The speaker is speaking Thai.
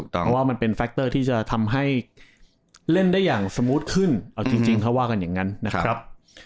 เพราะว่ามันเป็นแฟคเตอร์ที่จะทำให้เล่นได้อย่างสมูทขึ้นเอาจริงเขาว่ากันอย่างนั้นนะครับ